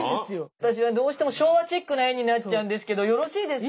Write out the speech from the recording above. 私はどうしても昭和チックな絵になっちゃうんですけどよろしいですか？